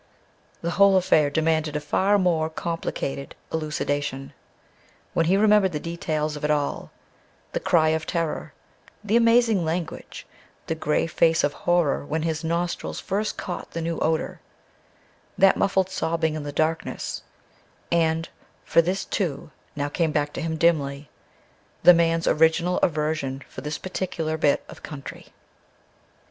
The whole affair demanded a far more complicated elucidation, when he remembered the details of it all the cry of terror, the amazing language, the grey face of horror when his nostrils first caught the new odor; that muffled sobbing in the darkness, and for this, too, now came back to him dimly the man's original aversion for this particular bit of country....